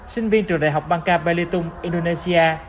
sinh viên trường đại học bangka belitung indonesia